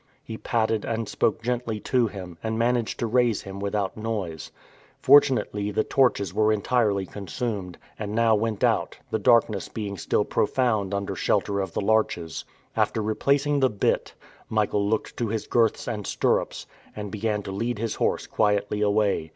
He patted and spoke gently to him, and managed to raise him without noise. Fortunately, the torches were entirely consumed, and now went out, the darkness being still profound under shelter of the larches. After replacing the bit, Michael looked to his girths and stirrups, and began to lead his horse quietly away.